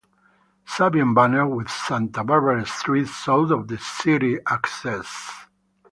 Savio and Banner with Santa Barbara Street, south of the city access.